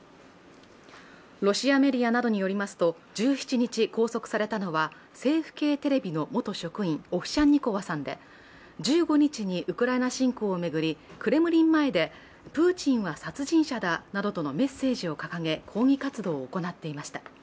ロシアメディアなどによりますと、１７日、拘束されたのは政府系テレビの元職員、オフシャンニコワさんで１５日にウクライナ侵攻を巡り、クレムリン前でプーチンは殺人者だなどとのメッセージを掲げ抗議活動を行っていました。